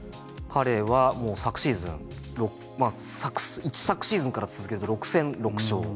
彼はもう昨シーズン一昨シーズンから続けると６戦６勝。